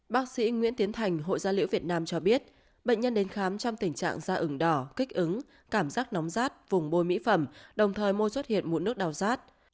bác sĩ nguyễn tiến thành hội gia liễu việt nam cho biết bệnh nhân đến khám trong tình trạng da ửng đỏ kích ứng cảm giác nóng rát vùng bôi mỹ phẩm đồng thời mua xuất hiện mụn nước đau rát